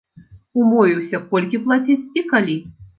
Умовіўся колькі плаціць і калі.